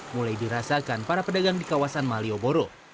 mulai dirasakan para pedagang di kawasan malioboro